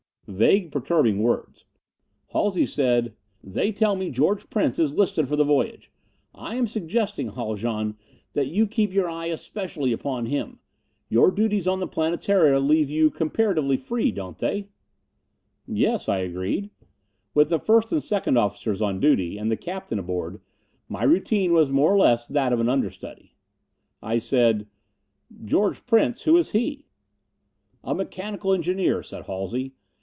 Vague, perturbing words! Halsey said, "They tell me George Prince is listed for the voyage. I am suggesting, Haljan, that you keep your eye especially upon him. Your duties on the Planetara leave you comparatively free, don't they?" "Yes," I agreed. With the first and second officers on duty, and the captain aboard, my routine was more or less that of an understudy. I said, "George Prince! Who is he?" "A mechanical engineer," said Halsey.